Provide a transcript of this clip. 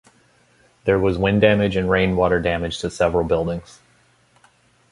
There was wind damage and rainwater damage to several buildings.